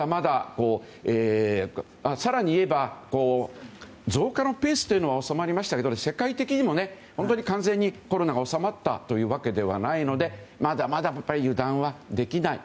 更にいえば、増加のペースは収まりましたけど世界的にも本当に完全にコロナが収まったわけではないのでまだまだ油断はできない。